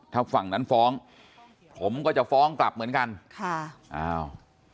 ถ้าฝั่งนั้นฟ้องผมก็จะฟ้องกลับเหมือนกันค่ะอ้าว